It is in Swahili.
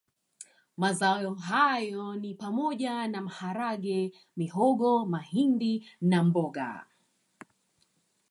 Mazao hayo ni pamoja na maharage mihogo mahindi na mboga